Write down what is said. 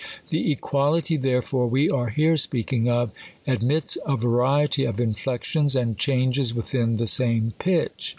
The equality, therefore, we are here speaking of, admits a variety of inflections and changes within the same pitch.